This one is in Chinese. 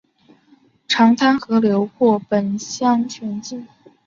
长滩河流过本乡全境。